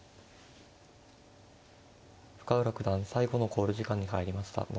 深浦九段最後の考慮時間に入りました。